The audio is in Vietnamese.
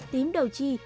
tím đầu chi